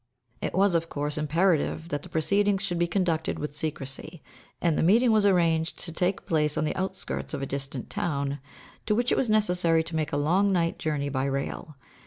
It was, of course, imperative that the proceedings should be conducted with secrecy, and the meeting was arranged to take place on the outskirts of a distant town, to which it was necessary to make a long night journey by rail.